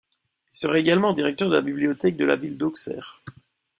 Il sera également directeur de la bibliothèque de la ville d'Auxerre.